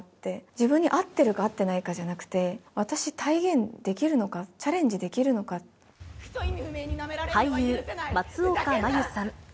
自分に合ってるか合ってないかじゃなくて、私、体現できるのか、俳優、松岡茉優さん。